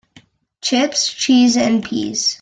Chips, cheese and peas.